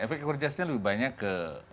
efek ekor jasnya lebih banyak ke